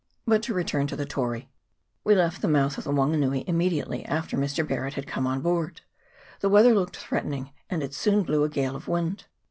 But to return to the Tory. We left the mouth of the Wanganui immediately after Mr. Barret had come on board. The weather looked threatening, and it soon blew a gale of wind.